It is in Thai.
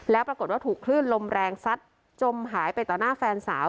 แล้วปรากฏว่าถูกคลื่นลมแรงซัดจมหายไปต่อหน้าแฟนสาว